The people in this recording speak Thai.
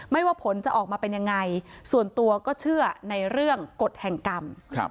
ว่าผลจะออกมาเป็นยังไงส่วนตัวก็เชื่อในเรื่องกฎแห่งกรรม